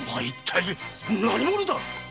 一体何者だ！